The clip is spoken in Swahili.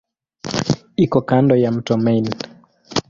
Iko kando ya mto Main.